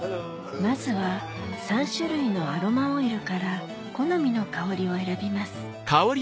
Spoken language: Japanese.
まずは３種類のアロマオイルから好みの香りを選びます